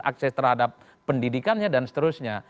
akses terhadap pendidikannya dan seterusnya